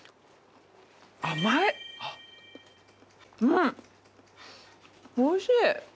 うんおいしい！